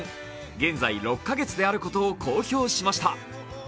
現在６カ月であることを公表しました。